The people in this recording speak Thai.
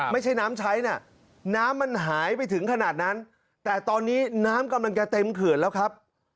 ไม่ใช่น้ำใช้นะน้ำมันหายไปถึงขนาดนั้นแต่ตอนนี้น้ำกำลังจะเต็มเขื่อนแล้วครับ